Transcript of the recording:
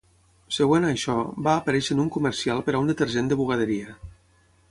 Següent a això, va aparèixer en un comercial per a un detergent de bugaderia.